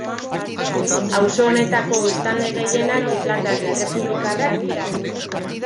Auzo honetako biztanle gehienak irlandar errepublikarrak dira.